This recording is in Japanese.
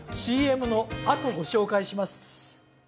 ＣＭのあとご紹介します